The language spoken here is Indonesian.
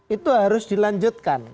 itu harus dilanjutkan